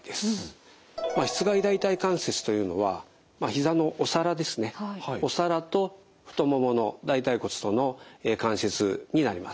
しつ蓋大腿関節というのはひざのお皿ですねお皿と太ももの大腿骨との関節になります。